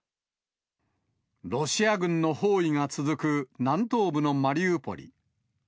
ロシア軍の包囲が続く南東部のマリウポリ。